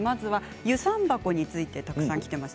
遊山箱についてたくさんきています。